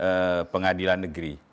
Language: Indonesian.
di pengadilan negeri